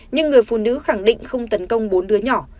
nhưng người phụ nữ khẳng định không tấn công bốn đứa nhỏ